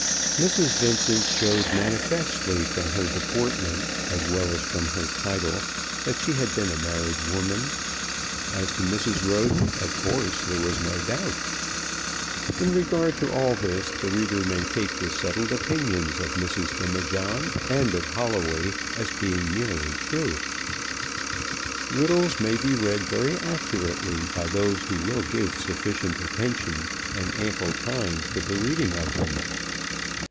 Mrs. Vincent showed manifestly from her deportment, as well as from her title, that she had been a married woman. As to Mrs. Roden, of course, there was no doubt. In regard to all this the reader may take the settled opinions of Mrs. Demijohn and of Holloway as being nearly true. Riddles may be read very accurately by those who will give sufficient attention and ample time to the reading of them.